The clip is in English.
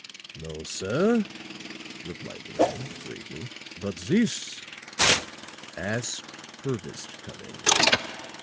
"No, sir," replied the man, gravely, "but this " "Ask Purvis to come in."